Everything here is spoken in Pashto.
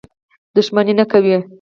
دښمني نه کوي.